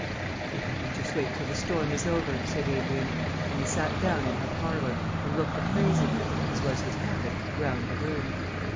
"If I may just wait till the storm is over," said Adrian, and he sat down in her parlour and looked appraisingly (as was his habit) round the room.